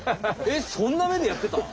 えっそんなめでやってた？